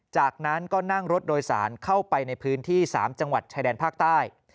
จากนั้นก็นั่งรถโดยสารเข้าไปในพื้นที่๓จังหวัดชายแดนภาคใต้